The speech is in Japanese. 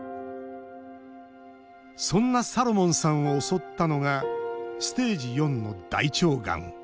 そんなサロモンさんを襲ったのがステージ４の大腸がん。